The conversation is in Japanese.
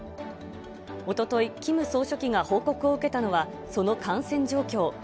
おととい、キム総書記が報告を受けたのは、その感染状況。